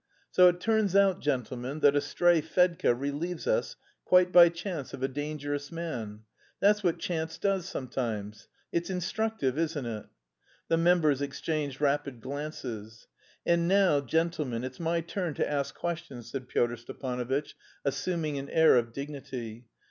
"So it turns out, gentlemen, that a stray Fedka relieves us quite by chance of a dangerous man. That's what chance does sometimes! It's instructive, isn't it?" The members exchanged rapid glances. "And now, gentlemen, it's my turn to ask questions," said Pyotr Stepanovitch, assuming an air of dignity.